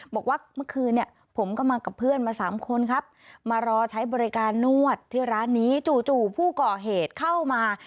บอกว่าเมื่อคืนเนี่ยผมก็มากับเพื่อนมาสามคนครับมารอใช้บริการนวดที่ร้านนี้จู่ผู้ก่อเหตุเข้ามา